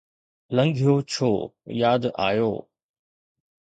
لنگهيو ڇو ياد آيو؟